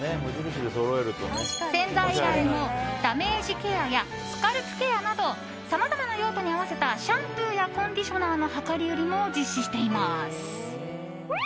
洗剤以外にもダメージケアやスカルプケアなどさまざまな用途に合わせたシャンプーやコンディショナーの量り売りも実施しています。